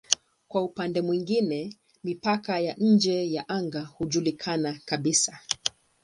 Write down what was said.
Kwa upande mwingine mipaka ya nje ya anga haijulikani kabisa.